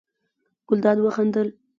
ګلداد وخندل.